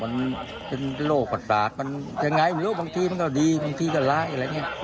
มันเป็นโรคระบาดมันยังไงไม่รู้บางทีมันก็ดีบางทีก็ร้ายอะไรอย่างนี้